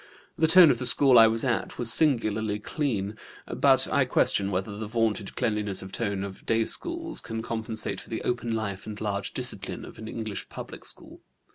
The tone of the school I was at was singularly clean, but I question whether the vaunted cleanliness of tone of day schools can compensate for the open life and large discipline of an English public school.